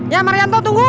ya marianto tunggu